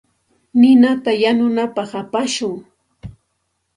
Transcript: Ninata yanunapaq apashun.